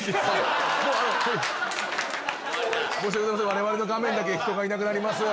我々の画面だけ人がいなくなります。